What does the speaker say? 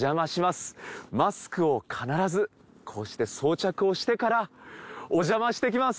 マスクを必ずこうして装着をしてからおじゃましてきます！